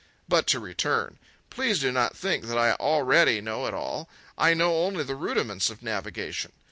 But to return. Please do not think that I already know it all. I know only the rudiments of navigation.